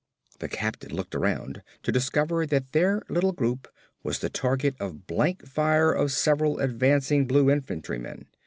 The captain looked around to discover that their little group was the target of the blank fire of several advancing Blue infantrymen.